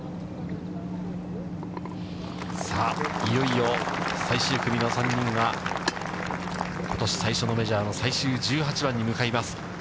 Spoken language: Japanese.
さあ、いよいよ最終組の３人は、ことし最初のメジャーの最終１８番に向かいます。